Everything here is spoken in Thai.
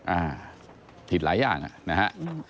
อ่าทิศหลายอย่างนะฮะ